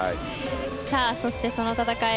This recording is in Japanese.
そして、その戦い